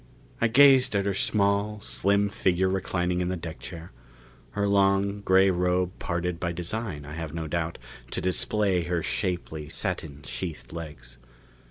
I gazed at her small, slim figure reclining in the deck chair. Her long, gray robe parted by design, I have no doubt, to display her shapely, satin sheathed legs.